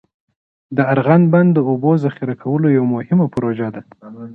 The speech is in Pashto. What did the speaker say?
د ارغنداب بند د اوبو ذخیره کولو یوه مهمه پروژه ده.